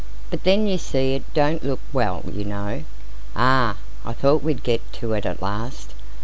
"But then, you see, it don't look well, you know." "Ah! I thought we'd get to it at last."